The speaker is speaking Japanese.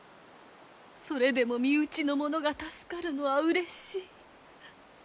それでも身内の者が助かるのはうれしい。